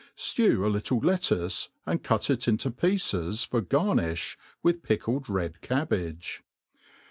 Stew a little lettuce, and cut it into pieces for garnifli, with pickled red cabbage.